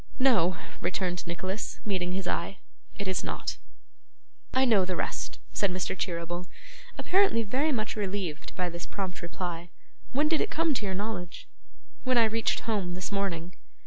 'No!' returned Nicholas, meeting his eye, 'it is not.' 'I know the rest,' said Mr. Cheeryble, apparently very much relieved by this prompt reply. 'When did it come to your knowledge?' 'When I reached home this morning.